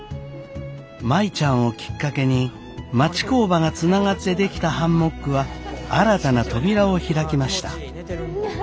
舞ちゃんをきっかけに町工場がつながって出来たハンモックは新たな扉を開きました。